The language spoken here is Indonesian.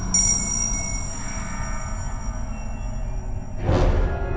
aku mau lihat